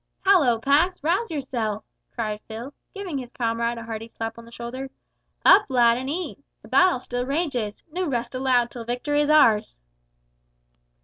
"Hallo, Pax! rouse yourself!" cried Phil, giving his comrade a hearty slap on the shoulder; "up, lad, and eat the battle still rages; no rest allowed till victory is ours."